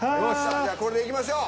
じゃあこれでいきましょう。